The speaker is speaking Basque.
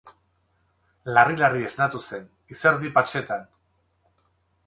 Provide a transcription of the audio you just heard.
Larri-larri esnatu zen, izerdi patsetan.